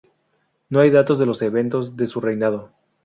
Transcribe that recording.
No hay datos de los eventos de su reinado.